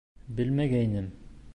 Белмәгәйнем.